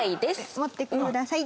「持ってください」。